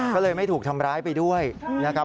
ก็เลยไม่ถูกทำร้ายไปด้วยนะครับ